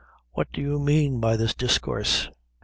What do you mean by this discoorse?"